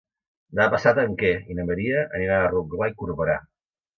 Demà passat en Quer i na Maria aniran a Rotglà i Corberà.